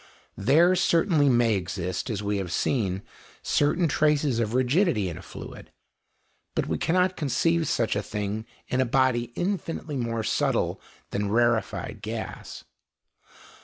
There certainly may exist, as we have seen, certain traces of rigidity in a liquid, but we cannot conceive such a thing in a body infinitely more subtle than rarefied gas.